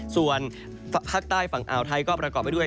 ส่วนภาคใต้ฝั่งอ่าวไทยก็ประกอบไปด้วย